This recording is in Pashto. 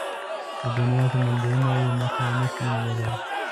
د دنيا سمندرونه يې مخه نشي نيولای.